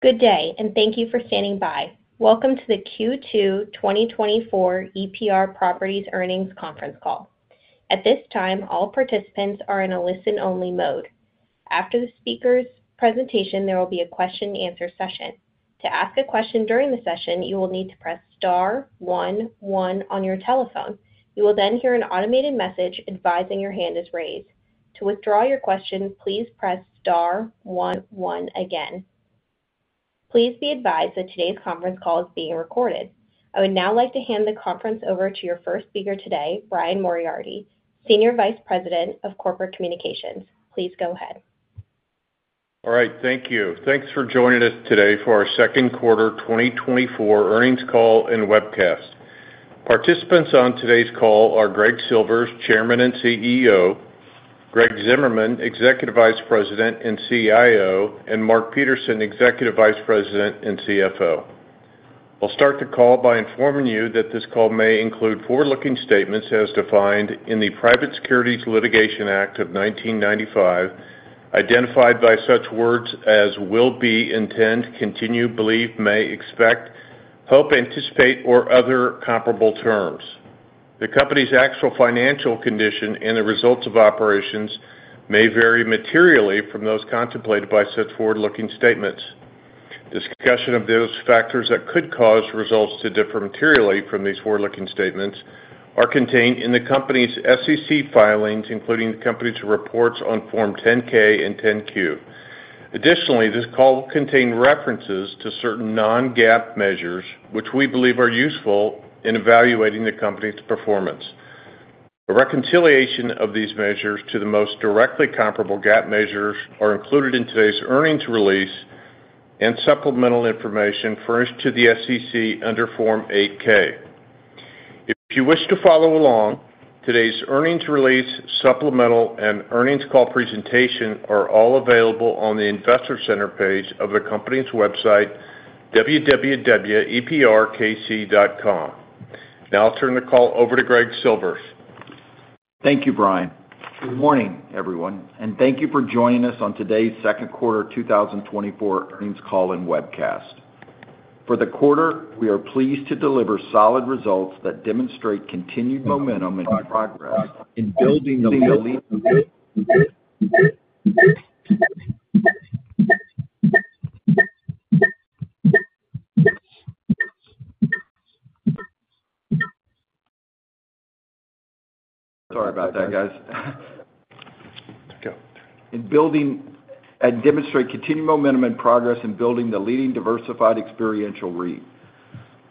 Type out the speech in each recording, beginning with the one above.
Good day, and thank you for standing by. Welcome to the Q2 2024 EPR Properties Earnings Conference Call. At this time, all participants are in a listen-only mode. After the speaker's presentation, there will be a question-and-answer session. To ask a question during the session, you will need to press star-one-one on your telephone. You will then hear an automated message advising your hand is raised. To withdraw your question, please press star-one-one again. Please be advised that today's conference call is being recorded. I would now like to hand the conference over to your first speaker today, Brian Moriarty, Senior Vice President of Corporate Communications. Please go ahead. All right, thank you. Thanks for joining us today for our second quarter 2024 earnings call and webcast. Participants on today's call are Greg Silvers, Chairman and CEO; Greg Zimmerman, Executive Vice President and CIO; and Mark Peterson, Executive Vice President and CFO. I'll start the call by informing you that this call may include forward-looking statements as defined in the Private Securities Litigation Act of 1995, identified by such words as will be, intend, continue, believe, may, expect, hope, anticipate, or other comparable terms. The company's actual financial condition and the results of operations may vary materially from those contemplated by such forward-looking statements. Discussion of those factors that could cause results to differ materially from these forward-looking statements are contained in the company's SEC filings, including the company's reports on Form 10-K and 10-Q. Additionally, this call will contain references to certain non-GAAP measures, which we believe are useful in evaluating the company's performance. A reconciliation of these measures to the most directly comparable GAAP measures are included in today's earnings release and supplemental information furnished to the SEC under Form 8-K. If you wish to follow along, today's earnings release, supplemental, and earnings call presentation are all available on the Investor Center page of the company's website, www.eprkc.com. Now I'll turn the call over to Greg Silvers. Thank you, Brian. Good morning, everyone, and thank you for joining us on today's second quarter 2024 earnings call and webcast. For the quarter, we are pleased to deliver solid results that demonstrate continued momentum and progress in building the... Sorry about that, guys. Go. In building and demonstrate continued momentum and progress in building the leading diversified experiential REIT.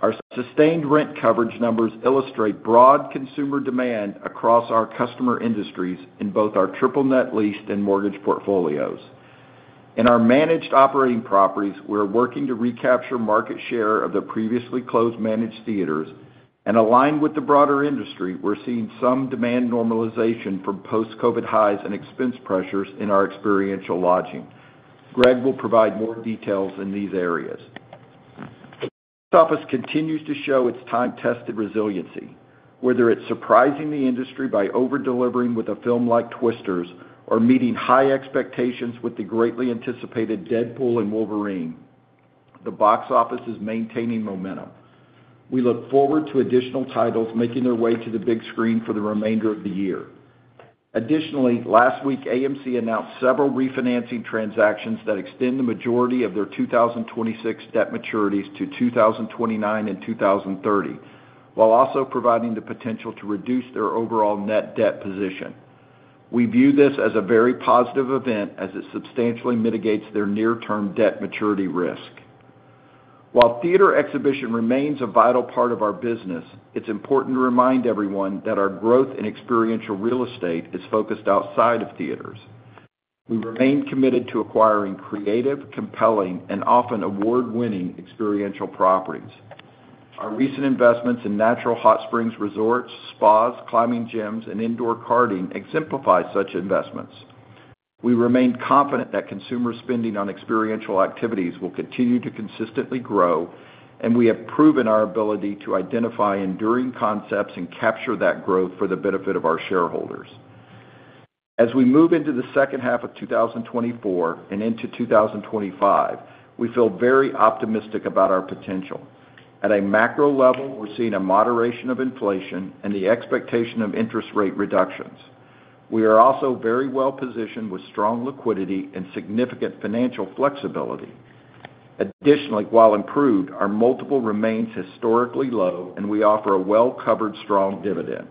Our sustained rent coverage numbers illustrate broad consumer demand across our customer industries in both our triple-net leased and mortgage portfolios. In our managed operating properties, we're working to recapture market share of the previously closed managed theaters, and aligned with the broader industry, we're seeing some demand normalization from post-COVID highs and expense pressures in our experiential lodging. Greg will provide more details in these areas. Box office continues to show its time-tested resiliency, whether it's surprising the industry by over-delivering with a film like Twisters or meeting high expectations with the greatly anticipated Deadpool & Wolverine, the box office is maintaining momentum. We look forward to additional titles making their way to the big screen for the remainder of the year. Additionally, last week, AMC announced several refinancing transactions that extend the majority of their 2026 debt maturities to 2029 and 2030, while also providing the potential to reduce their overall net debt position. We view this as a very positive event as it substantially mitigates their near-term debt maturity risk. While theater exhibition remains a vital part of our business, it's important to remind everyone that our growth in experiential real estate is focused outside of theaters. We remain committed to acquiring creative, compelling, and often award-winning experiential properties. Our recent investments in natural hot springs resorts, spas, climbing gyms, and indoor karting exemplify such investments. We remain confident that consumer spending on experiential activities will continue to consistently grow, and we have proven our ability to identify enduring concepts and capture that growth for the benefit of our shareholders. As we move into the second half of 2024 and into 2025, we feel very optimistic about our potential. At a macro level, we're seeing a moderation of inflation and the expectation of interest rate reductions. We are also very well-positioned with strong liquidity and significant financial flexibility. Additionally, while improved, our multiple remains historically low, and we offer a well-covered, strong dividend.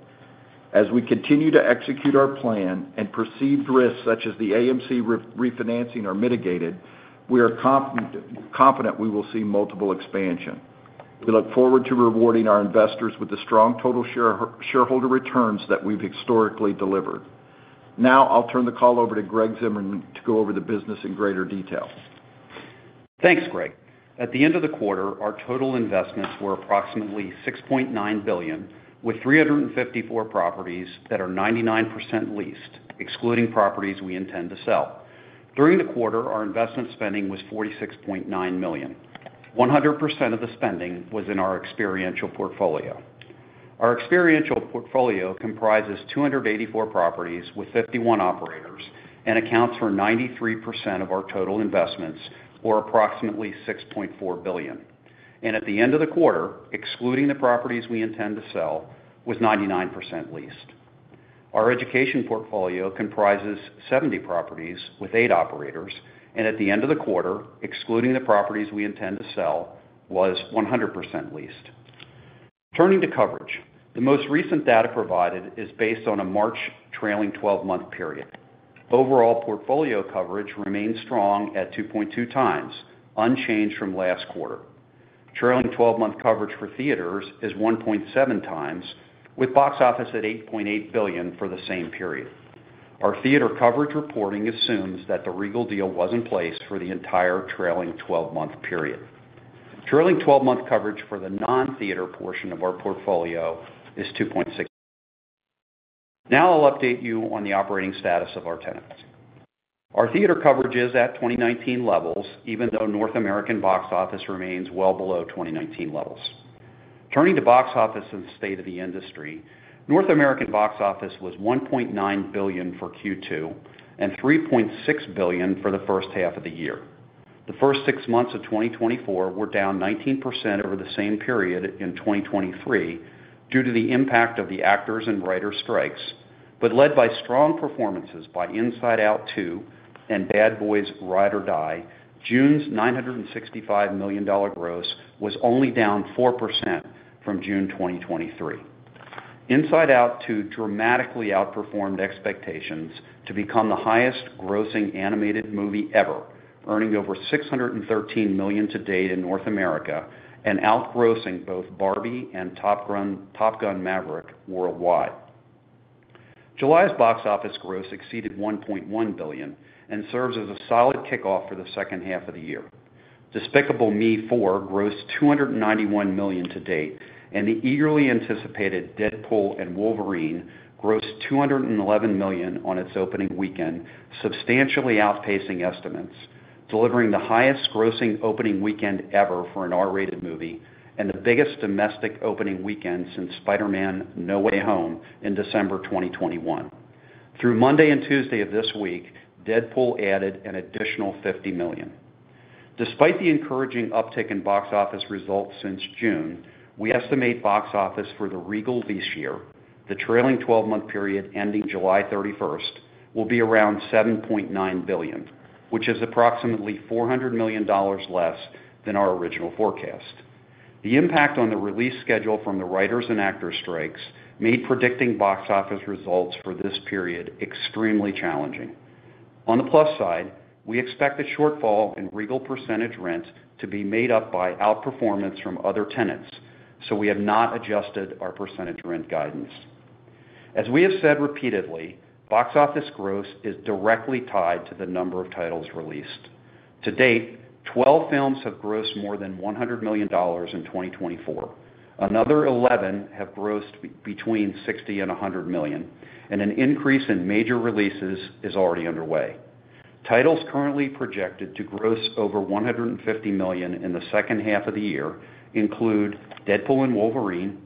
As we continue to execute our plan and perceived risks such as the AMC re-refinancing are mitigated, we are confident, confident we will see multiple expansion. We look forward to rewarding our investors with the strong total share- shareholder returns that we've historically delivered. Now I'll turn the call over to Greg Zimmerman to go over the business in greater detail. Thanks, Greg. At the end of the quarter, our total investments were approximately $6.9 billion, with 354 properties that are 99% leased, excluding properties we intend to sell. During the quarter, our investment spending was $46.9 million. 100% of the spending was in our experiential portfolio. ... Our experiential portfolio comprises 284 properties with 51 operators, and accounts for 93% of our total investments, or approximately $6.4 billion. At the end of the quarter, excluding the properties we intend to sell, was 99% leased. Our education portfolio comprises 70 properties with eight operators, and at the end of the quarter, excluding the properties we intend to sell, was 100% leased. Turning to coverage. The most recent data provided is based on a March trailing 12-month period. Overall, portfolio coverage remains strong at 2.2 times, unchanged from last quarter. Trailing 12-month coverage for theaters is 1.7 times, with box office at $8.8 billion for the same period. Our theater coverage reporting assumes that the Regal deal was in place for the entire trailing 12-month period. Trailing 12-month coverage for the non-theater portion of our portfolio is 2.6. Now I'll update you on the operating status of our tenants. Our theater coverage is at 2019 levels, even though North American box office remains well below 2019 levels. Turning to box office and state of the industry, North American box office was $1.9 billion for Q2, and $3.6 billion for the first half of the year. The first six months of 2024 were down 19% over the same period in 2023 due to the impact of the actors and writer strikes, but led by strong performances by Inside Out 2 and Bad Boys: Ride or Die, June's $965 million gross was only down 4% from June 2023. Inside Out 2 dramatically outperformed expectations to become the highest grossing animated movie ever, earning over $613 million to date in North America, and outgrossing both Barbie and Top Gun, Top Gun: Maverick worldwide. July's box office gross exceeded $1.1 billion and serves as a solid kickoff for the second half of the year. Despicable Me 4 grossed $291 million to date, and the eagerly anticipated Deadpool & Wolverine grossed $211 million on its opening weekend, substantially outpacing estimates, delivering the highest grossing opening weekend ever for an R-rated movie, and the biggest domestic opening weekend since Spider-Man: No Way Home in December 2021. Through Monday and Tuesday of this week, Deadpool added an additional $50 million. Despite the encouraging uptick in box office results since June, we estimate box office for the Regal lease year, the trailing 12-month period ending July 31, will be around $7.9 billion, which is approximately $400 million less than our original forecast. The impact on the release schedule from the writers and actors strikes made predicting box office results for this period extremely challenging. On the plus side, we expect the shortfall in Regal percentage rent to be made up by outperformance from other tenants, so we have not adjusted our percentage rent guidance. As we have said repeatedly, box office gross is directly tied to the number of titles released. To date, 12 films have grossed more than $100 million in 2024. Another 11 have grossed between $60 million and $100 million, and an increase in major releases is already underway. Titles currently projected to gross over $150 million in the second half of the year include Deadpool & Wolverine,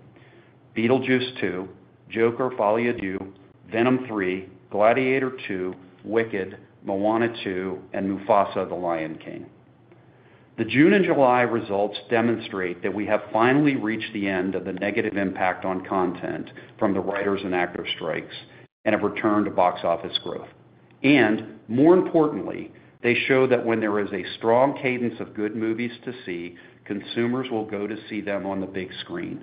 Beetlejuice II, Joker: Folie à Deux, Venom III, Gladiator II, Wicked, Moana II, and Mufasa: The Lion King. The June and July results demonstrate that we have finally reached the end of the negative impact on content from the writers and actor strikes, and have returned to box office growth. And more importantly, they show that when there is a strong cadence of good movies to see, consumers will go to see them on the big screen.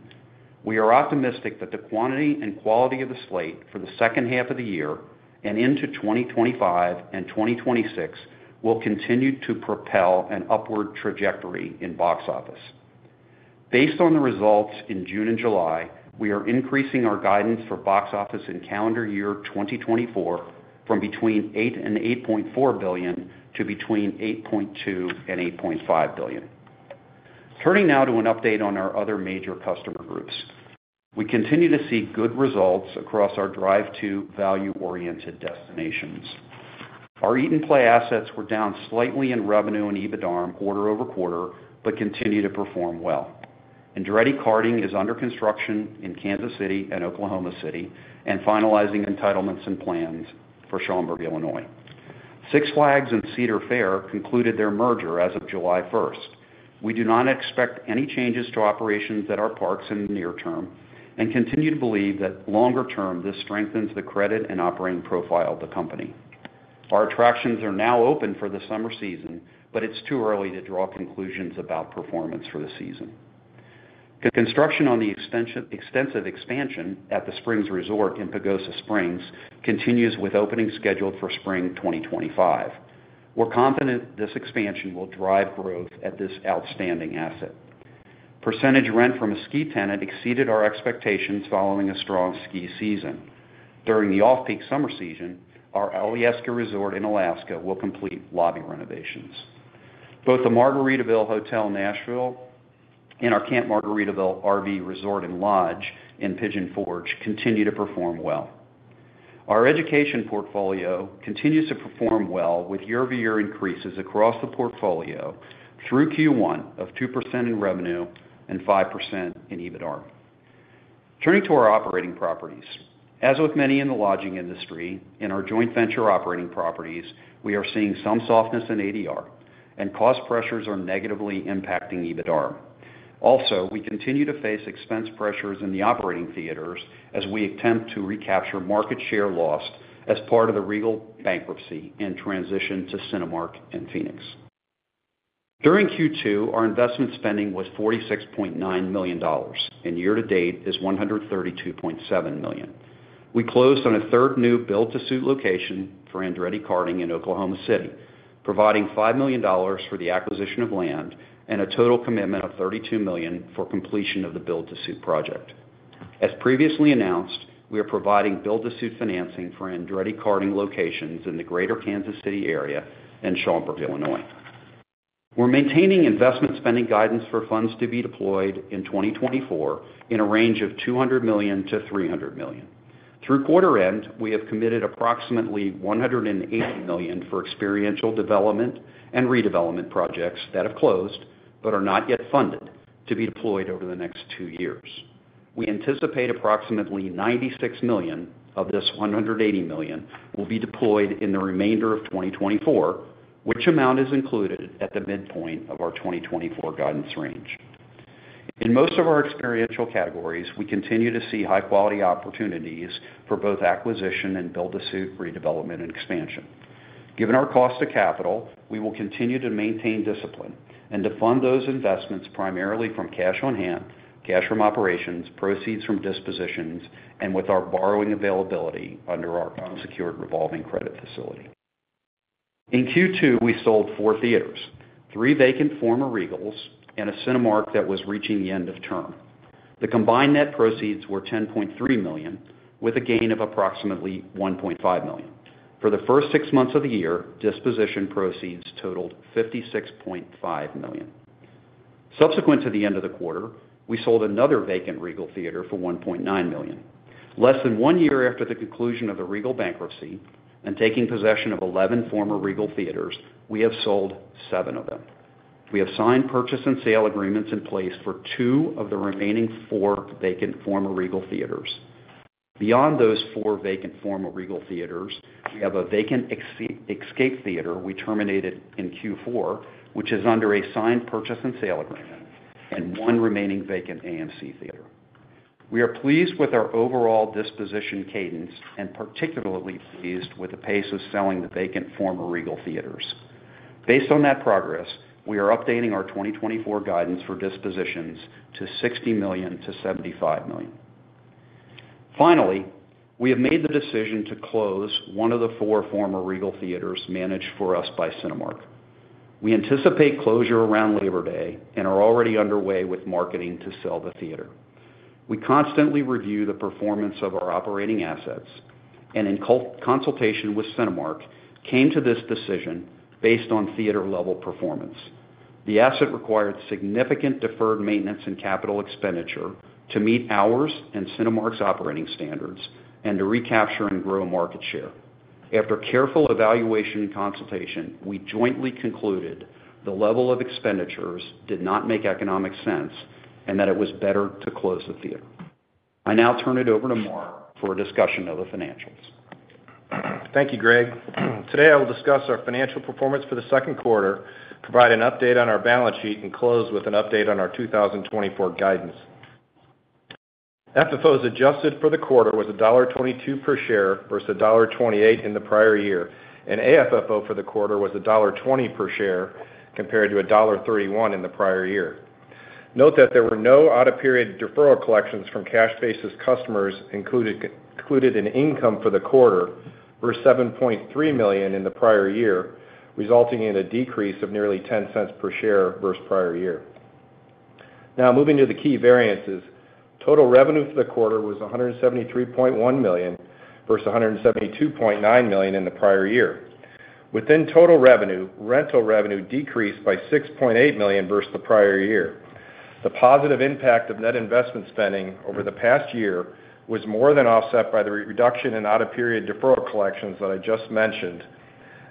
We are optimistic that the quantity and quality of the slate for the second half of the year and into 2025 and 2026, will continue to propel an upward trajectory in box office. Based on the results in June and July, we are increasing our guidance for box office in calendar year 2024, from between $8 billion and $8.4 billion to between $8.2 billion and $8.5 billion. Turning now to an update on our other major customer groups. We continue to see good results across our drive to value-oriented destinations. Our Eat and Play assets were down slightly in revenue and EBITDARM quarter-over-quarter, but continue to perform well. Andretti Karting is under construction in Kansas City and Oklahoma City, and finalizing entitlements and plans for Schaumburg, Illinois. Six Flags and Cedar Fair concluded their merger as of July 1. We do not expect any changes to operations at our parks in the near term and continue to believe that longer term, this strengthens the credit and operating profile of the company. Our attractions are now open for the summer season, but it's too early to draw conclusions about performance for the season. The construction on the extensive expansion at the Springs Resort in Pagosa Springs continues with opening scheduled for spring 2025. We're confident this expansion will drive growth at this outstanding asset. Percentage rent from a ski tenant exceeded our expectations following a strong ski season. During the off-peak summer season, our Alyeska Resort in Alaska will complete lobby renovations. Both the Margaritaville Hotel Nashville and our Camp Margaritaville RV Resort and Lodge in Pigeon Forge continue to perform well. Our education portfolio continues to perform well, with year-over-year increases across the portfolio through Q1 of 2% in revenue and 5% in EBITDAR. Turning to our operating properties. As with many in the lodging industry, in our joint venture operating properties, we are seeing some softness in ADR, and cost pressures are negatively impacting EBITDAR. Also, we continue to face expense pressures in the operating theaters as we attempt to recapture market share lost as part of the Regal bankruptcy and transition to Cinemark and Phoenix. During Q2, our investment spending was $46.9 million, and year-to-date is $132.7 million. We closed on a third new build-to-suit location for Andretti Karting in Oklahoma City, providing $5 million for the acquisition of land and a total commitment of $32 million for completion of the build-to-suit project. As previously announced, we are providing build-to-suit financing for Andretti Karting locations in the greater Kansas City area and Schaumburg, Illinois. We're maintaining investment spending guidance for funds to be deployed in 2024 in a range of $200 million-$300 million. Through quarter end, we have committed approximately $180 million for experiential development and redevelopment projects that have closed but are not yet funded to be deployed over the next two years. We anticipate approximately $96 million of this $180 million will be deployed in the remainder of 2024, which amount is included at the midpoint of our 2024 guidance range. In most of our experiential categories, we continue to see high-quality opportunities for both acquisition and build-to-suit, redevelopment, and expansion. Given our cost of capital, we will continue to maintain discipline and to fund those investments primarily from cash on hand, cash from operations, proceeds from dispositions, and with our borrowing availability under our unsecured revolving credit facility. In Q2, we sold four theaters, three vacant former Regal and a Cinemark that was reaching the end of term. The combined net proceeds were $10.3 million, with a gain of approximately $1.5 million. For the first six months of the year, disposition proceeds totaled $56.5 million. Subsequent to the end of the quarter, we sold another vacant Regal theater for $1.9 million. Less than one year after the conclusion of the Regal bankruptcy and taking possession of eleven former Regal theaters, we have sold seven of them. We have signed purchase and sale agreements in place for two of the remaining four vacant former Regal theaters. Beyond those four vacant former Regal theaters, we have a vacant ex-Xscape theater we terminated in Q4, which is under a signed purchase and sale agreement, and one remaining vacant AMC theater. We are pleased with our overall disposition cadence and particularly pleased with the pace of selling the vacant former Regal theaters. Based on that progress, we are updating our 2024 guidance for dispositions to $60 million-$75 million. Finally, we have made the decision to close one of the four former Regal theaters managed for us by Cinemark. We anticipate closure around Labor Day and are already underway with marketing to sell the theater. We constantly review the performance of our operating assets, and in consultation with Cinemark, came to this decision based on theater-level performance. The asset required significant deferred maintenance and capital expenditure to meet ours and Cinemark's operating standards and to recapture and grow market share. After careful evaluation and consultation, we jointly concluded the level of expenditures did not make economic sense and that it was better to close the theater. I now turn it over to Mark for a discussion of the financials. Thank you, Greg. Today, I will discuss our financial performance for the second quarter, provide an update on our balance sheet, and close with an update on our 2024 guidance. FFO adjusted for the quarter was $1.22 per share versus $1.28 in the prior year, and AFFO for the quarter was $1.20 per share, compared to $1.31 in the prior year. Note that there were no out-of-period deferral collections from cash-basis customers included in income for the quarter. $7.3 million were in the prior year, resulting in a decrease of nearly $0.10 per share versus prior year. Now, moving to the key variances. Total revenue for the quarter was $173.1 million versus $172.9 million in the prior year. Within total revenue, rental revenue decreased by $6.8 million versus the prior year. The positive impact of net investment spending over the past year was more than offset by the reduction in out-of-period deferral collections that I just mentioned,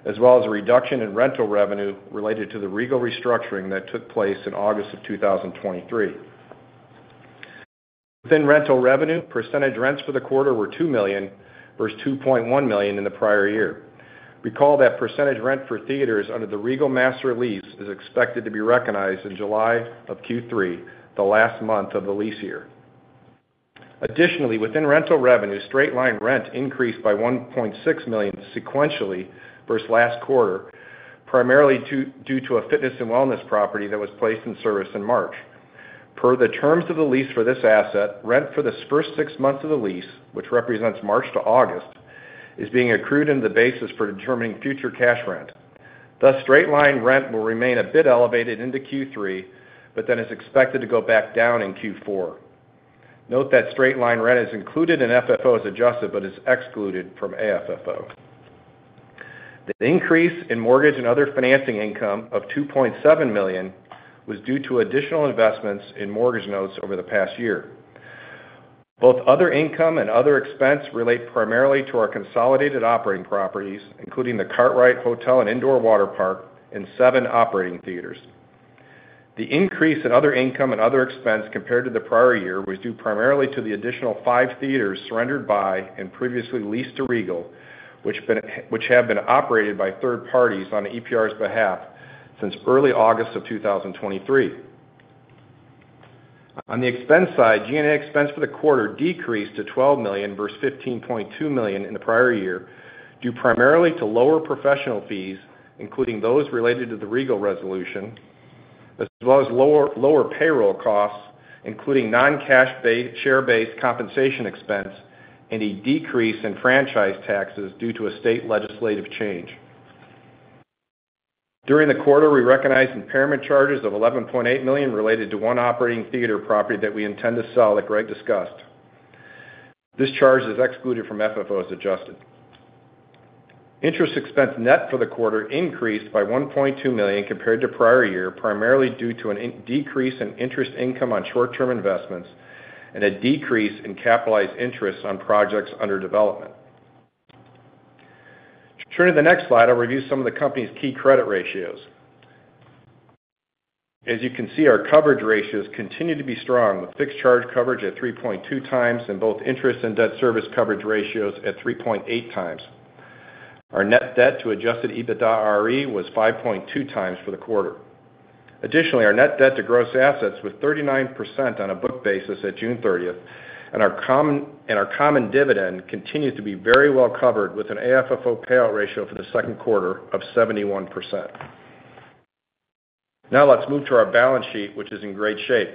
as well as a reduction in rental revenue related to the Regal restructuring that took place in August of 2023. Within rental revenue, percentage rents for the quarter were $2 million versus $2.1 million in the prior year. Recall that percentage rent for theaters under the Regal master lease is expected to be recognized in July of Q3, the last month of the lease year. Additionally, within rental revenue, straight-line rent increased by $1.6 million sequentially versus last quarter, primarily due to a fitness and wellness property that was placed in service in March. Per the terms of the lease for this asset, rent for the first six months of the lease, which represents March to August, is being accrued into the basis for determining future cash rent. Thus, straight-line rent will remain a bit elevated into Q3, but then is expected to go back down in Q4. Note that straight-line rent is included in FFO as adjusted, but is excluded from AFFO.... The increase in mortgage and other financing income of $2.7 million was due to additional investments in mortgage notes over the past year. Both other income and other expense relate primarily to our consolidated operating properties, including the Kartrite Resort and Indoor Waterpark and seven operating theaters. The increase in other income and other expense compared to the prior year was due primarily to the additional 5 theaters surrendered by and previously leased to Regal, which have been operated by third parties on EPR's behalf since early August of 2023. On the expense side, G&A expense for the quarter decreased to $12 million versus $15.2 million in the prior year, due primarily to lower professional fees, including those related to the Regal resolution, as well as lower payroll costs, including non-cash share-based compensation expense and a decrease in franchise taxes due to a state legislative change. During the quarter, we recognized impairment charges of $11.8 million related to 1 operating theater property that we intend to sell, like Greg discussed. This charge is excluded from FFO as adjusted. Interest expense net for the quarter increased by $1.2 million compared to prior year, primarily due to a decrease in interest income on short-term investments and a decrease in capitalized interest on projects under development. Turning to the next slide, I'll review some of the company's key credit ratios. As you can see, our coverage ratios continue to be strong, with fixed charge coverage at 3.2x and both interest and debt service coverage ratios at 3.8x. Our net debt to adjusted EBITDARE was 5.2x for the quarter. Additionally, our net debt to gross assets was 39% on a book basis at June 30, and our common dividend continued to be very well covered, with an AFFO payout ratio for the second quarter of 71%. Now, let's move to our balance sheet, which is in great shape.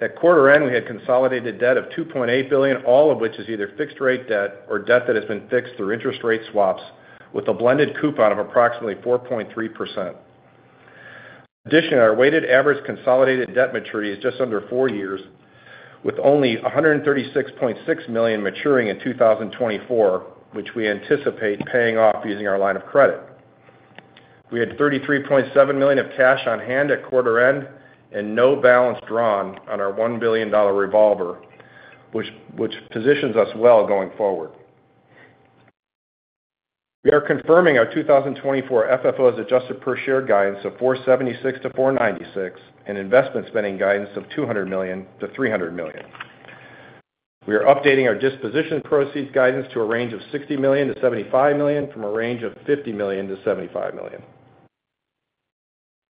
At quarter end, we had consolidated debt of $2.8 billion, all of which is either fixed-rate debt or debt that has been fixed through interest rate swaps, with a blended coupon of approximately 4.3%. In addition, our weighted average consolidated debt maturity is just under four years, with only $136.6 million maturing in 2024, which we anticipate paying off using our line of credit. We had $33.7 million of cash on hand at quarter end and no balance drawn on our $1 billion revolver, which positions us well going forward. We are confirming our 2024 FFO as adjusted per share guidance of $4.76-$4.96, and investment spending guidance of $200 million-$300 million. We are updating our disposition proceeds guidance to a range of $60 million-$75 million, from a range of $50 million-$75 million.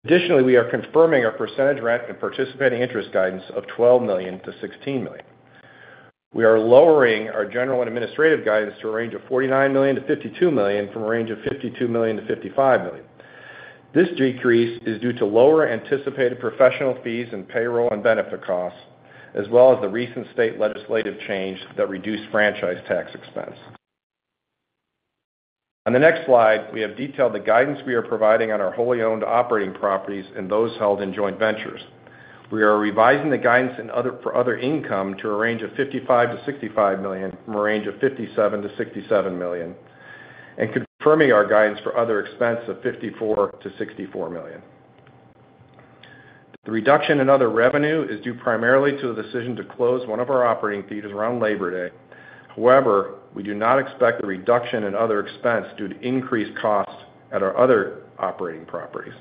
Additionally, we are confirming our percentage rent and participating interest guidance of $12 million-$16 million. We are lowering our general and administrative guidance to a range of $49 million-$52 million, from a range of $52 million-$55 million. This decrease is due to lower anticipated professional fees and payroll and benefit costs, as well as the recent state legislative change that reduced franchise tax expense. On the next slide, we have detailed the guidance we are providing on our wholly owned operating properties and those held in joint ventures. We are revising the guidance for other income to a range of $55 million-$65 million, from a range of $57 million-$67 million, and confirming our guidance for other expense of $54 million-$64 million. The reduction in other revenue is due primarily to the decision to close one of our operating theaters around Labor Day. However, we do not expect a reduction in other expense due to increased costs at our other operating properties.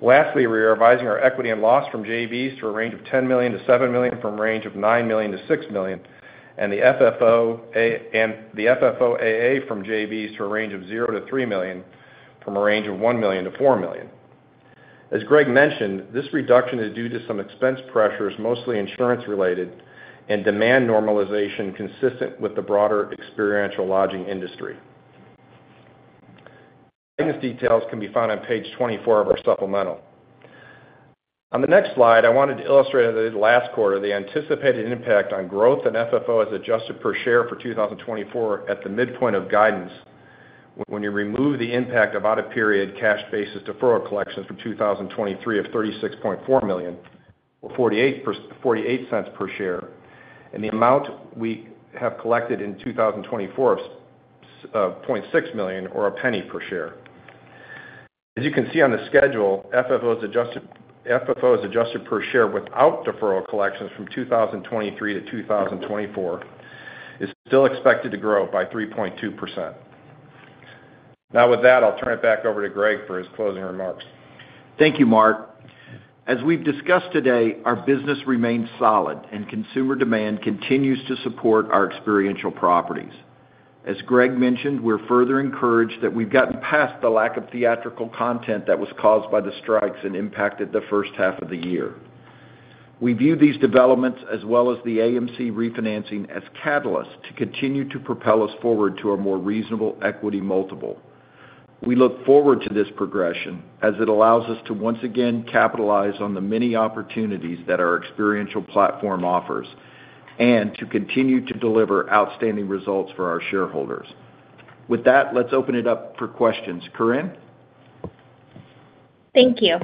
Lastly, we are revising our equity and loss from JVs to a range of $10 million-$7 million, from a range of $9 million-$6 million, and the FFO and the AFFO from JVs to a range of $0-$3 million, from a range of $1 million-$4 million. As Greg mentioned, this reduction is due to some expense pressures, mostly insurance related, and demand normalization consistent with the broader experiential lodging industry. These details can be found on page 24 of our supplemental. On the next slide, I wanted to illustrate that last quarter, the anticipated impact on growth and FFO as adjusted per share for 2024 at the midpoint of guidance, when you remove the impact of out-of-period cash basis deferral collections from 2023 of $36.4 million, or $0.48 per share, and the amount we have collected in 2024 of $0.6 million or $0.01 per share. As you can see on the schedule, FFO as adjusted per share without deferral collections from 2023 to 2024 is still expected to grow by 3.2%. Now, with that, I'll turn it back over to Greg for his closing remarks. Thank you, Mark. As we've discussed today, our business remains solid, and consumer demand continues to support our experiential properties. As Greg mentioned, we're further encouraged that we've gotten past the lack of theatrical content that was caused by the strikes and impacted the first half of the year. We view these developments, as well as the AMC refinancing, as catalysts to continue to propel us forward to a more reasonable equity multiple. We look forward to this progression, as it allows us to once again capitalize on the many opportunities that our experiential platform offers, and to continue to deliver outstanding results for our shareholders. With that, let's open it up for questions. Corinne?... Thank you.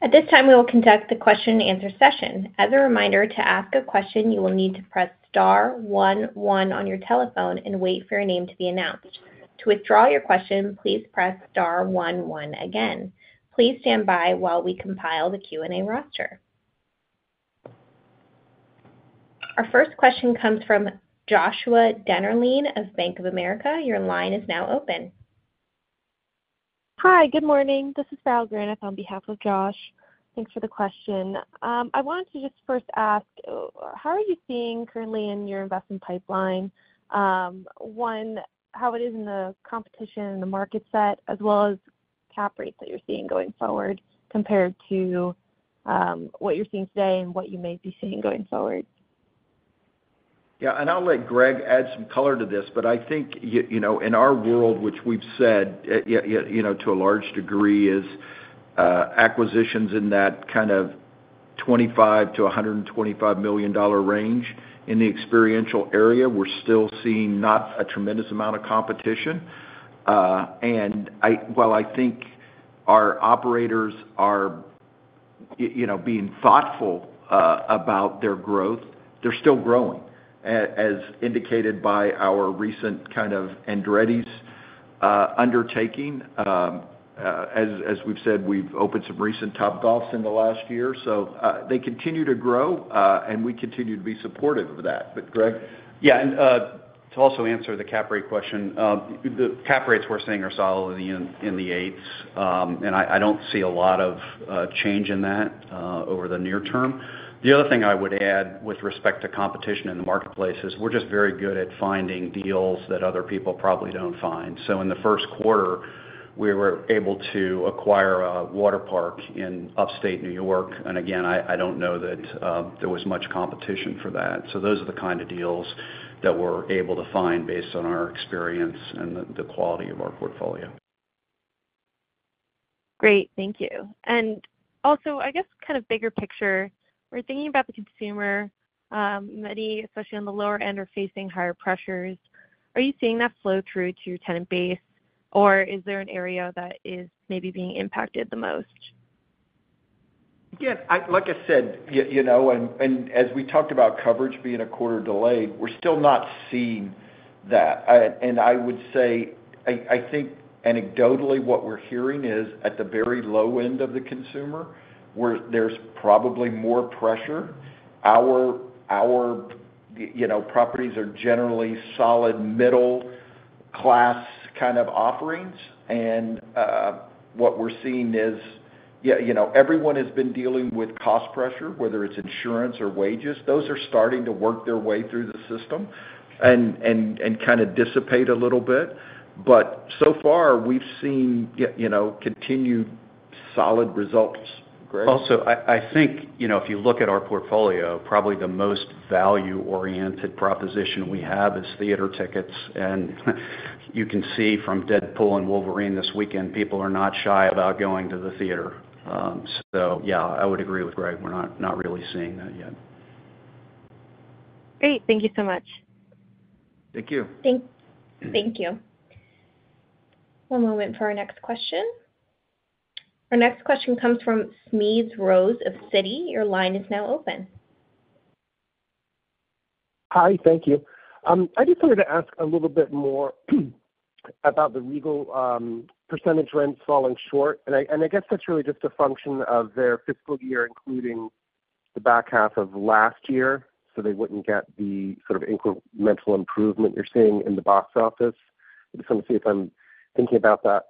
At this time, we will conduct the question and answer session. As a reminder, to ask a question, you will need to press star one, one on your telephone and wait for your name to be announced. To withdraw your question, please press star one, one again. Please stand by while we compile the Q&A roster. Our first question comes from Joshua Dennerlein of Bank of America. Your line is now open. Hi, good morning. This is Farrell Granath on behalf of Josh. Thanks for the question. I wanted to just first ask, how are you seeing currently in your investment pipeline, one, how it is in the competition in the market set, as well as cap rates that you're seeing going forward compared to, what you're seeing today and what you may be seeing going forward? Yeah, and I'll let Greg add some color to this, but I think you know, in our world, which we've said, you know, to a large degree, is acquisitions in that kind of $25 million-$125 million range. In the experiential area, we're still seeing not a tremendous amount of competition, and while I think our operators are, you know, being thoughtful about their growth, they're still growing, as indicated by our recent kind of Andretti's undertaking. As we've said, we've opened some recent Topgolfs in the last year, so they continue to grow, and we continue to be supportive of that. But Greg? Yeah, and, to also answer the cap rate question, the cap rates we're seeing are solid in the, in the eights, and I, I don't see a lot of, change in that, over the near term. The other thing I would add with respect to competition in the marketplace is we're just very good at finding deals that other people probably don't find. So in the first quarter, we were able to acquire a water park in upstate New York, and again, I, I don't know that, there was much competition for that. So those are the kind of deals that we're able to find based on our experience and the, the quality of our portfolio. Great. Thank you. And also, I guess, kind of bigger picture, we're thinking about the consumer, many, especially on the lower end, are facing higher pressures. Are you seeing that flow through to your tenant base, or is there an area that is maybe being impacted the most? Yeah, like I said, you know, and as we talked about coverage being a quarter delayed, we're still not seeing that. And I would say, I think anecdotally, what we're hearing is at the very low end of the consumer, where there's probably more pressure, our you know, properties are generally solid middle class kind of offerings. And what we're seeing is, yeah, you know, everyone has been dealing with cost pressure, whether it's insurance or wages. Those are starting to work their way through the system and kind of dissipate a little bit. But so far, we've seen, you know, continued solid results. Greg? Also, I think, you know, if you look at our portfolio, probably the most value-oriented proposition we have is theater tickets. And you can see from Deadpool & Wolverine this weekend, people are not shy about going to the theater. So yeah, I would agree with Greg. We're not really seeing that yet. Great. Thank you so much. Thank you. Thank you. One moment for our next question. Our next question comes from Smedes Rose of Citi. Your line is now open. Hi, thank you. I just wanted to ask a little bit more about the Regal percentage rent falling short, and I guess that's really just a function of their fiscal year, including the back half of last year, so they wouldn't get the sort of incremental improvement you're seeing in the box office. I just want to see if I'm thinking about that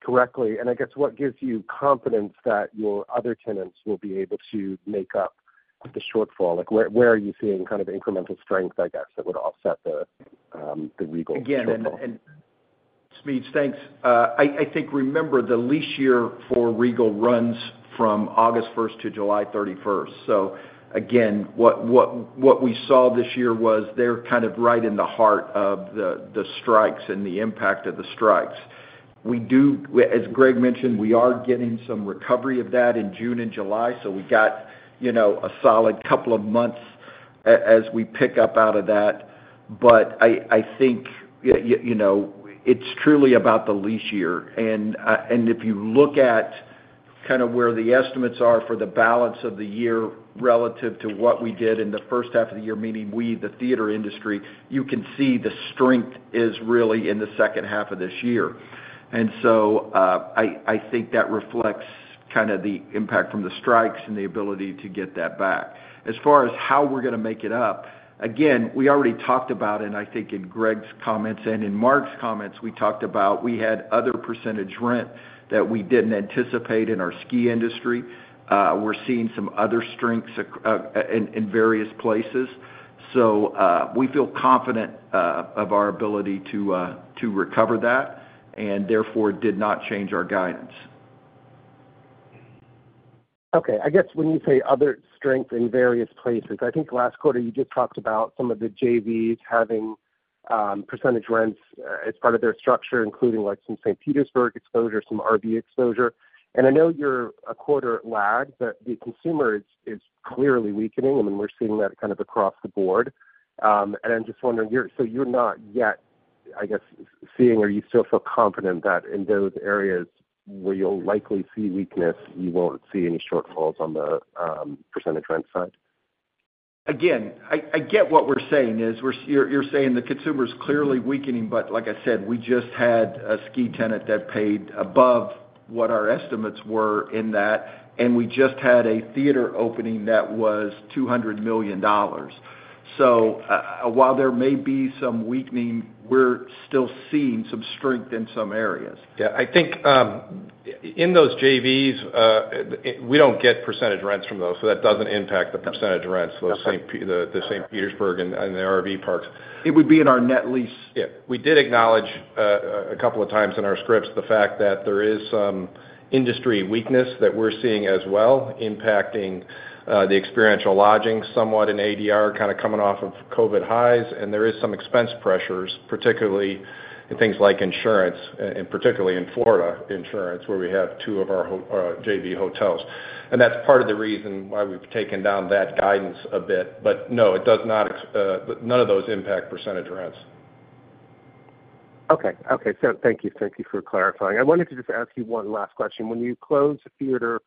correctly. And I guess, what gives you confidence that your other tenants will be able to make up the shortfall? Like, where are you seeing kind of incremental strength, I guess, that would offset the Regal shortfall? Again, Smedes, thanks. I think I remember the lease year for Regal runs from August 1 to July 31. So again, what we saw this year was they're kind of right in the heart of the strikes and the impact of the strikes. As Greg mentioned, we are getting some recovery of that in June and July, so we got you know a solid couple of months as we pick up out of that. But I think you know it's truly about the lease year. And if you look at kind of where the estimates are for the balance of the year relative to what we did in the first half of the year, meaning the theater industry, you can see the strength is really in the second half of this year. I think that reflects kind of the impact from the strikes and the ability to get that back. As far as how we're going to make it up, again, we already talked about, and I think in Greg's comments and in Mark's comments, we talked about we had other percentage rent that we didn't anticipate in our ski industry. We're seeing some other strengths across in various places. So, we feel confident of our ability to recover that, and therefore did not change our guidance. Okay, I guess when you say other strength in various places, I think last quarter you just talked about some of the JVs having, percentage rents, as part of their structure, including, like, some St. Petersburg exposure, some RV exposure. And I know you're a quarter lag, but the consumer is clearly weakening, and we're seeing that kind of across the board. And I'm just wondering, I guess, seeing or you still feel confident that in those areas where you'll likely see weakness, you won't see any shortfalls on the, percentage rent side? Again, I get what we're saying is you're saying the consumer's clearly weakening, but like I said, we just had a ski tenant that paid above what our estimates were in that, and we just had a theater opening that was $200 million. So, while there may be some weakening, we're still seeing some strength in some areas. Yeah, I think, in those JVs, we don't get percentage rents from those, so that doesn't impact the percentage rents- Okay. the St. Petersburg and the RV parks. It would be in our net lease. Yeah, we did acknowledge a couple of times in our scripts the fact that there is some industry weakness that we're seeing as well, impacting the experiential lodging, somewhat in ADR, kind of coming off of COVID highs. And there is some expense pressures, particularly in things like insurance, and particularly in Florida insurance, where we have two of our JV hotels. And that's part of the reason why we've taken down that guidance a bit. But no, none of those impact percentage rents. Okay. Okay, so thank you. Thank you for clarifying. I wanted to just ask you one last question. When you close a theater,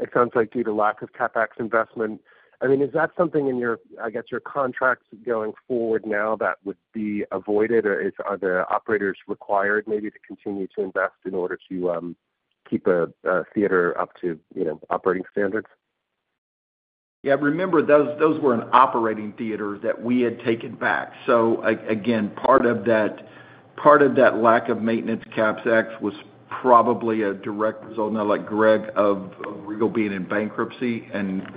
it sounds like due to lack of CapEx investment, I mean, is that something in your, I guess, your contracts going forward now that would be avoided, or is- are the operators required maybe to continue to invest in order to keep a theater up to, you know, operating standards? Yeah, remember, those were an operating theater that we had taken back. So again, part of that lack of maintenance CapEx was probably a direct result, now like Greg, of Regal being in bankruptcy and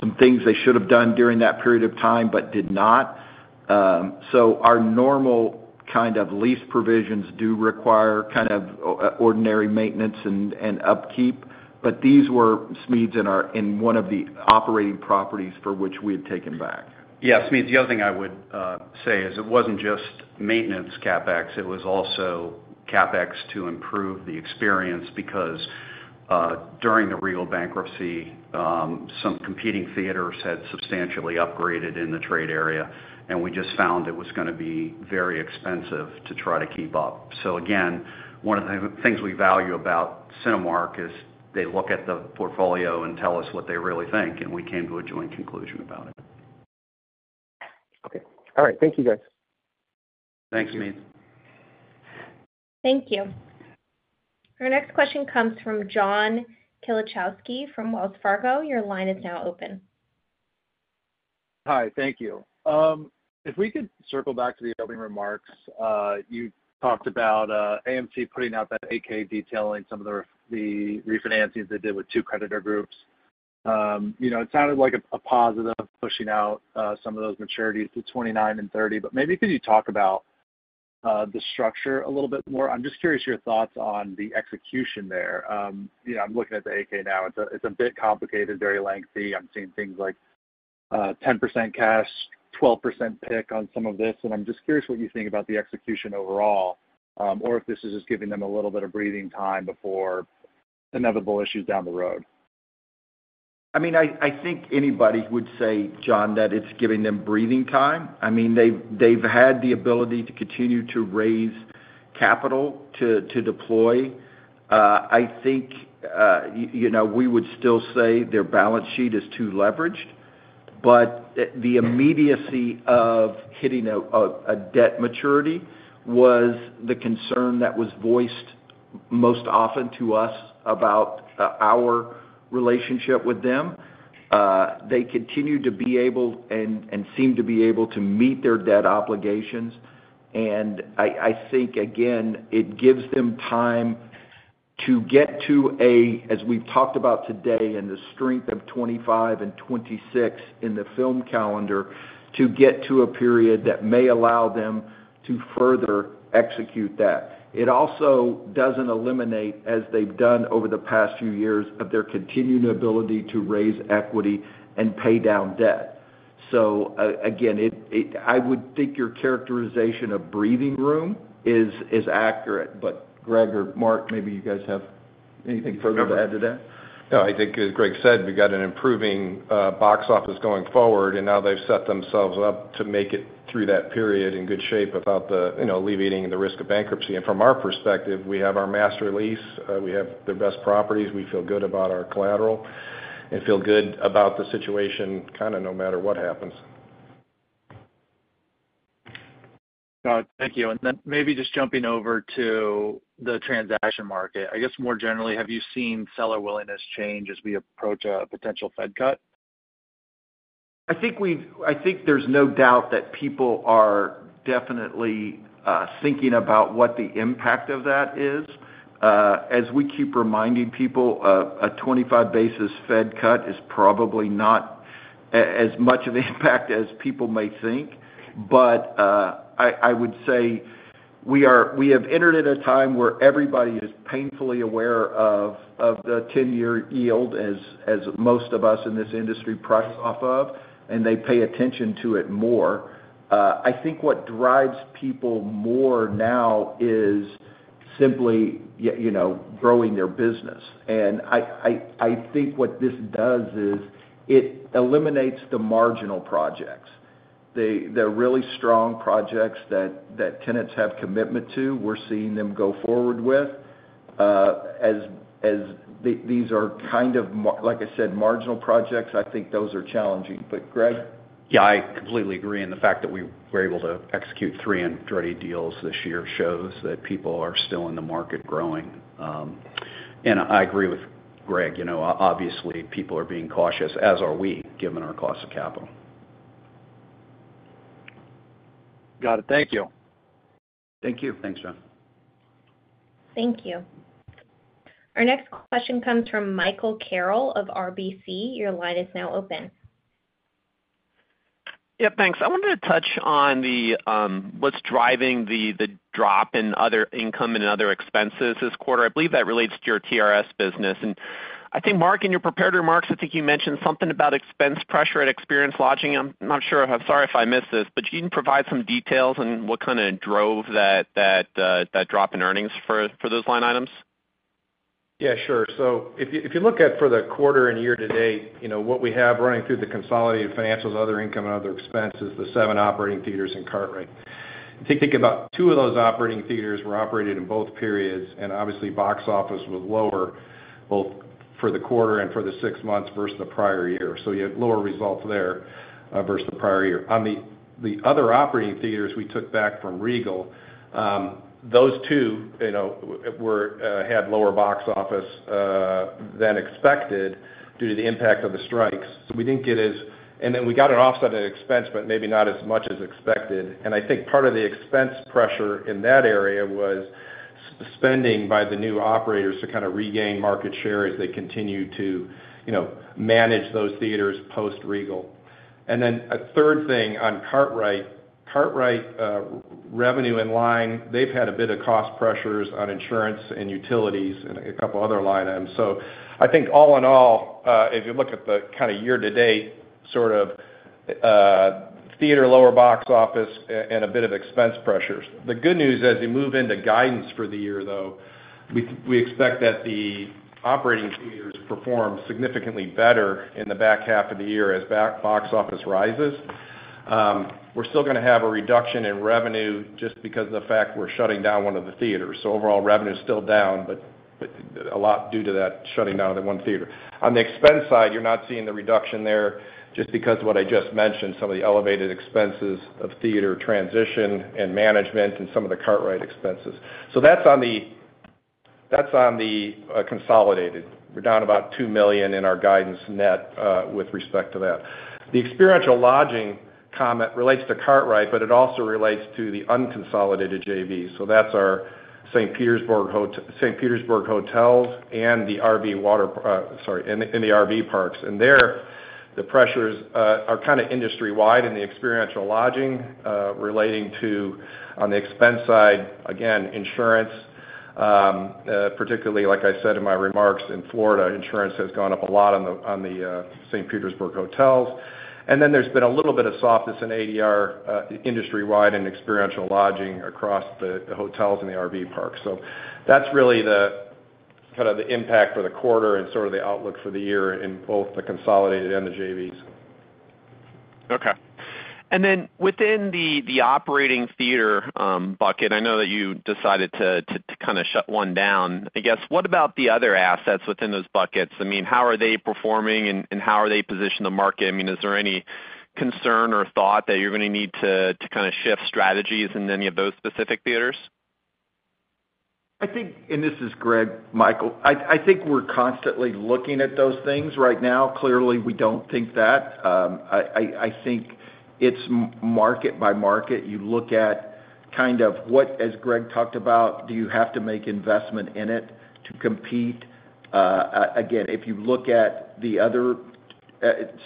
some things they should have done during that period of time but did not. So our normal kind of lease provisions do require kind of ordinary maintenance and upkeep, but these were, Smedes, in one of the operating properties for which we had taken back. Yeah, Smedes, the other thing I would say is it wasn't just maintenance CapEx, it was also CapEx to improve the experience, because during the Regal bankruptcy, some competing theaters had substantially upgraded in the trade area, and we just found it was gonna be very expensive to try to keep up. So again, one of the things we value about Cinemark is they look at the portfolio and tell us what they really think, and we came to a joint conclusion about it. Okay. All right, thank you, guys. Thanks, Smedes. Thank you. Our next question comes from John Kilichowski from Wells Fargo. Your line is now open. Hi, thank you. If we could circle back to the opening remarks, you talked about AMC putting out that 8-K detailing some of the refinancings they did with two creditor groups. You know, it sounded like a positive, pushing out some of those maturities to 2029 and 2030, but maybe could you talk about the structure a little bit more? I'm just curious your thoughts on the execution there. You know, I'm looking at the 8-K now. It's a bit complicated, very lengthy. I'm seeing things like 10% cash, 12% pick on some of this, and I'm just curious what you think about the execution overall, or if this is just giving them a little bit of breathing time before inevitable issues down the road. I mean, I think anybody would say, John, that it's giving them breathing time. I mean, they've had the ability to continue to raise capital to deploy. I think, you know, we would still say their balance sheet is too leveraged, but the immediacy of hitting a debt maturity was the concern that was voiced most often to us about our relationship with them. They continue to be able and seem to be able to meet their debt obligations, and I think, again, it gives them time to get to a, as we've talked about today, and the strength of 2025 and 2026 in the film calendar, to get to a period that may allow them to further execute that. It also doesn't eliminate, as they've done over the past few years, of their continuing ability to raise equity and pay down debt. So again, it. I would think your characterization of breathing room is accurate, but Greg or Mark, maybe you guys have anything further to add to that? No, I think as Greg said, we've got an improving box office going forward, and now they've set themselves up to make it through that period in good shape without the, you know, alleviating the risk of bankruptcy. And from our perspective, we have our master lease, we have the best properties. We feel good about our collateral and feel good about the situation, kind of no matter what happens. Thank you. Maybe just jumping over to the transaction market. I guess, more generally, have you seen seller willingness change as we approach a potential Fed cut? I think there's no doubt that people are definitely thinking about what the impact of that is. As we keep reminding people, a 25 basis point Fed cut is probably not as much of an impact as people may think. But I would say we have entered a time where everybody is painfully aware of the 10-year yield, as most of us in this industry price off of, and they pay attention to it more. I think what drives people more now is simply, you know, growing their business. And I think what this does is it eliminates the marginal projects. The really strong projects that tenants have commitment to, we're seeing them go forward with. As these are kind of marginal projects, like I said, I think those are challenging. But Greg? Yeah, I completely agree, and the fact that we were able to execute three Andretti deals this year shows that people are still in the market growing. And I agree with Greg, you know, obviously, people are being cautious, as are we, given our cost of capital. Got it. Thank you. Thank you. Thanks, John. Thank you. Our next question comes from Michael Carroll of RBC. Your line is now open. Yeah, thanks. I wanted to touch on the what's driving the drop in other income and other expenses this quarter. I believe that relates to your TRS business. And I think, Mark, in your prepared remarks, I think you mentioned something about expense pressure at Experience Lodging. I'm not sure. I'm sorry if I missed this, but can you provide some details on what kind of drove that drop in earnings for those line items? Yeah, sure. So if you look at for the quarter and year to date, you know, what we have running through the consolidated financials, other income and other expenses, the seven operating theaters in Kartrite. If you think about two of those operating theaters were operated in both periods, and obviously, box office was lower, both for the quarter and for the six months versus the prior year. So you had lower results there versus the prior year. On the other operating theaters we took back from Regal, those two, you know, had lower box office than expected due to the impact of the strikes. So we didn't get as and then we got an offset of expense, but maybe not as much as expected. I think part of the expense pressure in that area was spending by the new operators to kind of regain market share as they continue to, you know, manage those theaters post-Regal. And then a third thing on Cinemark. Cinemark revenue in line, they've had a bit of cost pressures on insurance and utilities and a couple other line items. So I think all in all, if you look at the kind of year to date, sort of, theater lower box office and a bit of expense pressures. The good news, as we move into guidance for the year, though, we expect that the operating theaters perform significantly better in the back half of the year as box office rises. We're still gonna have a reduction in revenue just because of the fact we're shutting down one of the theaters. So overall revenue is still down, but a lot due to that shutting down of the one theater. On the expense side, you're not seeing the reduction there just because of what I just mentioned, some of the elevated expenses of theater transition and management and some of the Cartwright expenses. So that's on the consolidated. We're down about $2 million in our guidance net with respect to that. The experiential lodging comment relates to Cartwright, but it also relates to the unconsolidated JV. So that's our St. Petersburg Hotel- St. Petersburg hotels and the RV water park... and the RV parks. There, the pressures are kind of industry-wide in the experiential lodging, relating to, on the expense side, again, insurance, particularly, like I said in my remarks, in Florida, insurance has gone up a lot on the St. Petersburg hotels. Then there's been a little bit of softness in ADR, industry-wide and experiential lodging across the hotels and the RV parks. That's really the kind of the impact for the quarter and sort of the outlook for the year in both the consolidated and the JVs. Okay. And then within the operating theater bucket, I know that you decided to kind of shut one down. I guess, what about the other assets within those buckets? I mean, how are they performing and how are they positioned in the market? I mean, is there any concern or thought that you're gonna need to kind of shift strategies in any of those specific theaters? I think, and this is Greg, Michael. I think we're constantly looking at those things right now. Clearly, we don't think that. I think it's market by market. You look at kind of what, as Greg talked about, do you have to make investment in it to compete? Again, if you look at the other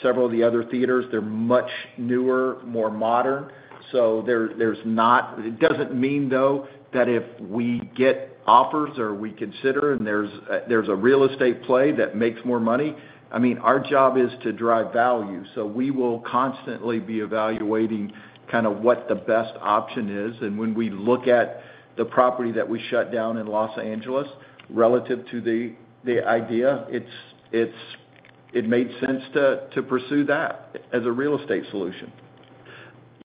several of the other theaters, they're much newer, more modern, so there, there's not it doesn't mean, though, that if we get offers or we consider and there's there's a real estate play that makes more money, I mean, our job is to drive value, so we will constantly be evaluating kind of what the best option is. When we look at the property that we shut down in Los Angeles, relative to the idea, it made sense to pursue that as a real estate solution.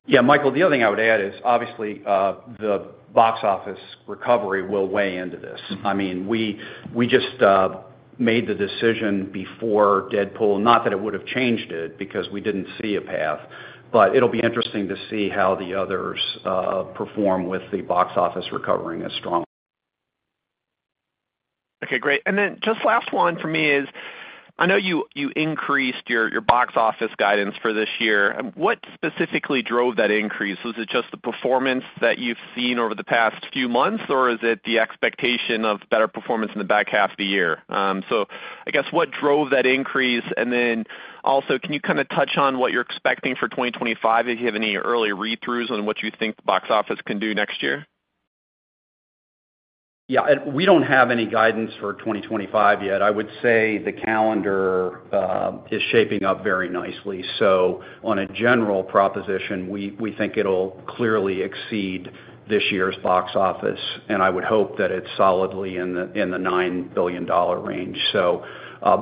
Yeah, Michael, the other thing I would add is, obviously, the box office recovery will weigh into this. I mean, we just made the decision before Deadpool, not that it would have changed it, because we didn't see a path, but it'll be interesting to see how the others perform with the box office recovering as strongly. Okay, great. And then just last one for me is, I know you, you increased your, your box office guidance for this year. What specifically drove that increase? Was it just the performance that you've seen over the past few months, or is it the expectation of better performance in the back half of the year? So I guess, what drove that increase? And then also, can you kind of touch on what you're expecting for 2025? If you have any early read-throughs on what you think the box office can do next year? ... Yeah, and we don't have any guidance for 2025 yet. I would say the calendar is shaping up very nicely. So on a general proposition, we think it'll clearly exceed this year's box office, and I would hope that it's solidly in the $9 billion range. So,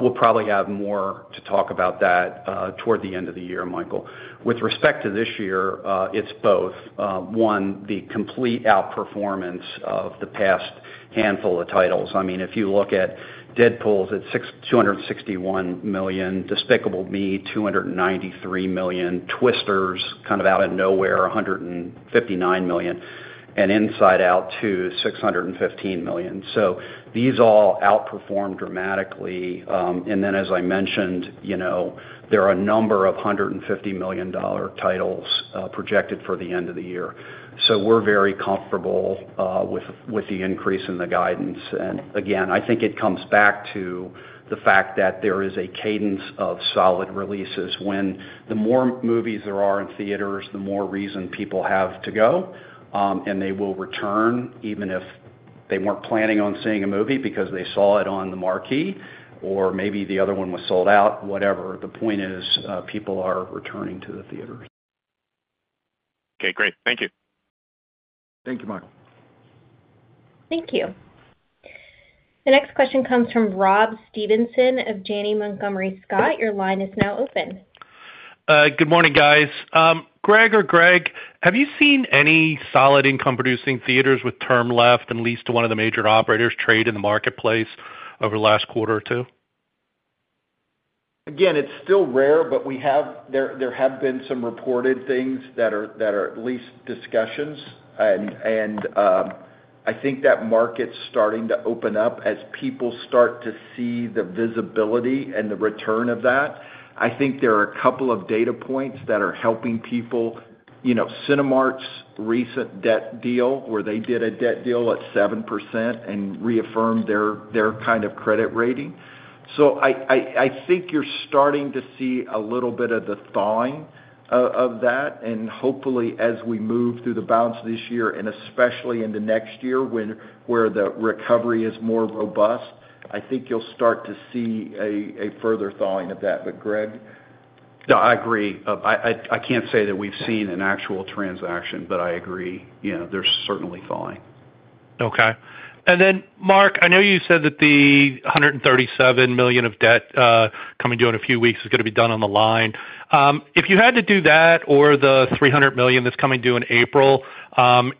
we'll probably have more to talk about that toward the end of the year, Michael. With respect to this year, it's both one, the complete outperformance of the past handful of titles. I mean, if you look at Deadpool, it's $261 million, Despicable Me, $293 million, Twisters, kind of out of nowhere, $159 million, and Inside Out 2, $615 million. So these all outperformed dramatically. And then, as I mentioned, you know, there are a number of $150 million titles projected for the end of the year. So we're very comfortable with the increase in the guidance. And again, I think it comes back to the fact that there is a cadence of solid releases, when the more movies there are in theaters, the more reason people have to go, and they will return, even if they weren't planning on seeing a movie because they saw it on the marquee, or maybe the other one was sold out, whatever. The point is, people are returning to the theater. Okay, great. Thank you. Thank you, Michael. Thank you. The next question comes from Rob Stevenson of Janney Montgomery Scott. Your line is now open. Good morning, guys. Greg or Greg, have you seen any solid income-producing theaters with term left and leased to one of the major operators trade in the marketplace over the last quarter or two? Again, it's still rare, but there have been some reported things that are at least discussions. I think that market's starting to open up as people start to see the visibility and the return of that. I think there are a couple of data points that are helping people. You know, Cinemark's recent debt deal, where they did a debt deal at 7% and reaffirmed their kind of credit rating. So I think you're starting to see a little bit of the thawing of that, and hopefully, as we move through the balance of this year, and especially into next year, when where the recovery is more robust, I think you'll start to see a further thawing of that. But Greg? No, I agree. I can't say that we've seen an actual transaction, but I agree, you know, there's certainly thawing. Okay. And then, Mark, I know you said that the $137 million of debt coming due in a few weeks is gonna be done on the line. If you had to do that or the $300 million that's coming due in April,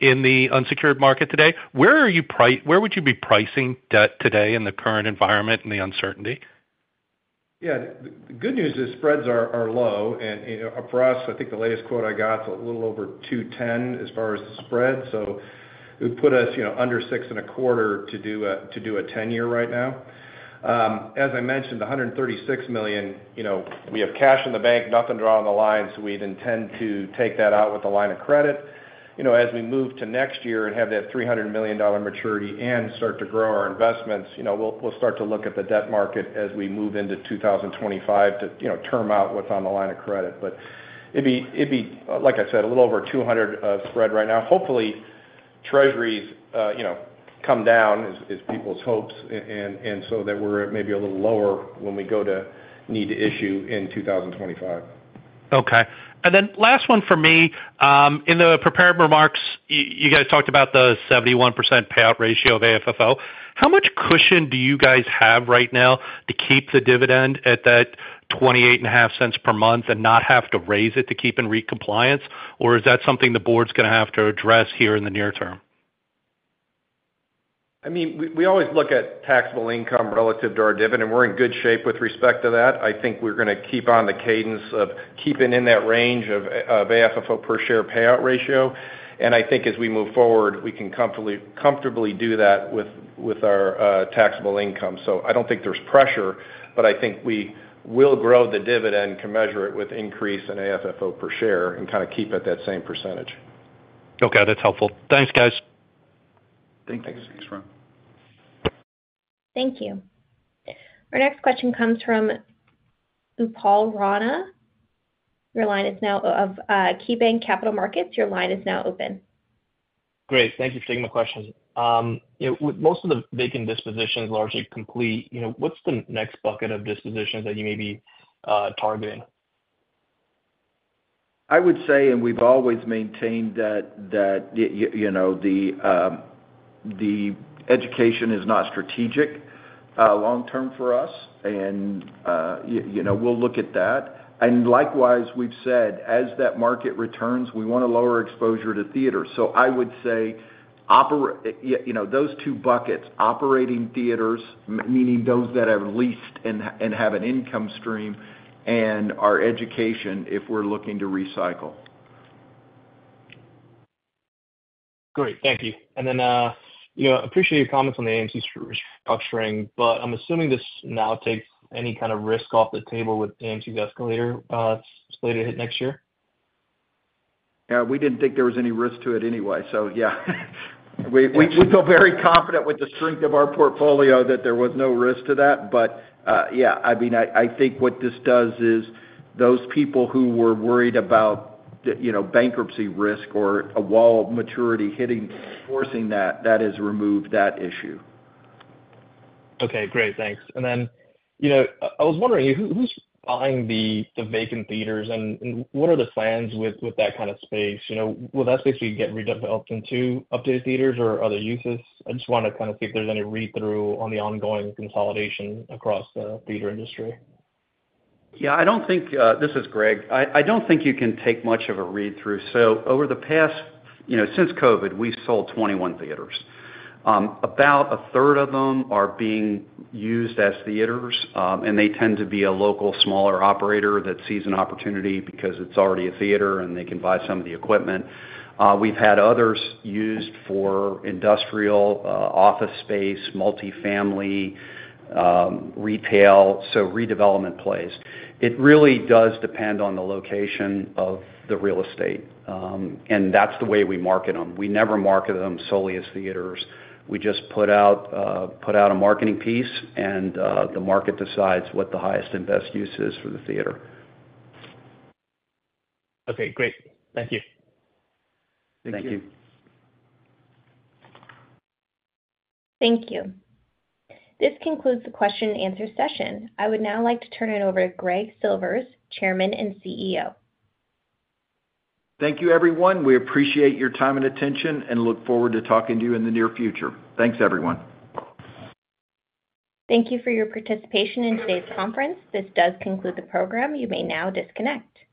in the unsecured market today, where would you be pricing debt today in the current environment and the uncertainty? Yeah, the good news is spreads are low, and, you know, for us, I think the latest quote I got is a little over 210 as far as the spread. So it would put us, you know, under 6.25 to do a 10-year right now. As I mentioned, the $136 million, you know, we have cash in the bank, nothing drawn on the line, so we'd intend to take that out with the line of credit. You know, as we move to next year and have that $300 million maturity and start to grow our investments, you know, we'll start to look at the debt market as we move into 2025 to, you know, term out what's on the line of credit. But it'd be, like I said, a little over 200 of spread right now. Hopefully, Treasuries, you know, come down, as is people's hopes, and so that we're at maybe a little lower when we go to need to issue in 2025. Okay. And then last one for me. In the prepared remarks, you, you guys talked about the 71% payout ratio of AFFO. How much cushion do you guys have right now to keep the dividend at that $0.285 per month and not have to raise it to keep in REIT compliance? Or is that something the board's gonna have to address here in the near term? I mean, we always look at taxable income relative to our dividend, and we're in good shape with respect to that. I think we're gonna keep on the cadence of keeping in that range of AFFO per share payout ratio. And I think as we move forward, we can comfortably do that with our taxable income. So I don't think there's pressure, but I think we will grow the dividend commensurate with increase in AFFO per share and kind of keep it that same percentage. Okay, that's helpful. Thanks, guys. Thank you. Thanks. Thank you. Our next question comes from Upal Rana. Your line is now of KeyBanc Capital Markets. Your line is now open. Good morning, thanks for taking my questions. You know, with most of the vacant dispositions largely complete, you know, what's the next bucket of dispositions that you may be targeting? I would say, and we've always maintained that, you know, the education is not strategic long-term for us, and you know, we'll look at that. And likewise, we've said, as that market returns, we want to lower exposure to theaters. So I would say, you know, those two buckets, operating theaters, meaning those that are leased and have an income stream, and our education, if we're looking to recycle. Great, thank you. And then, you know, appreciate your comments on the AMC restructuring, but I'm assuming this now takes any kind of risk off the table with AMC's escalator, slated to hit next year? Yeah, we didn't think there was any risk to it anyway, so yeah. We, we feel very confident with the strength of our portfolio that there was no risk to that. But, yeah, I mean, I, I think what this does is, those people who were worried about the, you know, bankruptcy risk or a wall of maturity hitting, forcing that, that has removed that issue. Okay, great. Thanks. And then, you know, I was wondering, who's buying the vacant theaters, and what are the plans with that kind of space? You know, will that basically get redeveloped into updated theaters or other uses? I just want to kind of see if there's any read-through on the ongoing consolidation across the theater industry. Yeah, I don't think... This is Greg. I don't think you can take much of a read-through. So over the past, you know, since COVID, we've sold 21 theaters. About a third of them are being used as theaters, and they tend to be a local, smaller operator that sees an opportunity because it's already a theater, and they can buy some of the equipment. We've had others used for industrial, office space, multifamily, retail, so redevelopment plays. It really does depend on the location of the real estate. And that's the way we market them. We never market them solely as theaters. We just put out a marketing piece, and the market decides what the highest and best use is for the theater. Okay, great. Thank you. Thank you. Thank you. Thank you. This concludes the question and answer session. I would now like to turn it over to Greg Silvers, Chairman and CEO. Thank you, everyone. We appreciate your time and attention and look forward to talking to you in the near future. Thanks, everyone. Thank you for your participation in today's conference. This does conclude the program. You may now disconnect.